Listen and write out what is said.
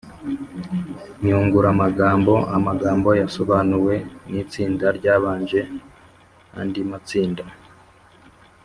nyunguramagambo amagambo yasobanuwe n’itsinda ryabanje andi matsinda